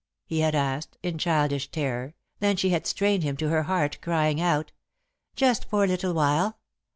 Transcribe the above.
he had asked, in childish terror, then she had strained him to her heart, crying out: "Just for a little while!